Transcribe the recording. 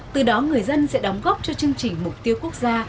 từ đó người dân sẽ đóng góp cho chương trình mục tiêu quốc gia